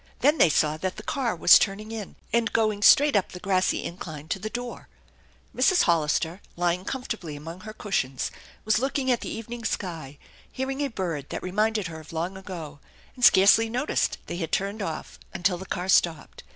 Then they saw that the car was turning in and going straight up the grassy incline to the door. Mrs. Hollister, lying comfortably among her cushions, was looking at the evening sky, hearing a bird that reminded her of long ago, and scarcely noticed they had turned until the car stopped.